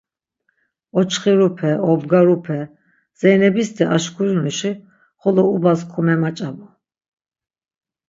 Oçxirupe, obgarupe… Zeynebisti aşkurinuşi xolo ubas komemaç̌abu.